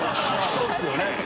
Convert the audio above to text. そうですよね。